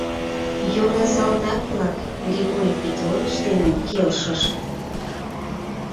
Йорло салтак-влак Григорий Петрович дене келшышт.